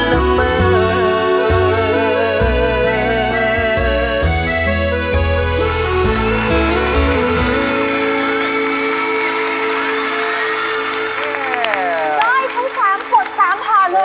ได้ทั้ง๓กด๓พอเลยครับ